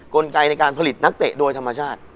กลไกในการผลิตนักเตะโดยธรรมชาติ